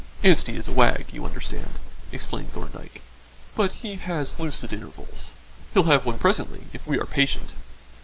"Anstey is a wag, you understand," explained Thorndyke, "but he has lucid intervals. He'll have one presently if we are patient."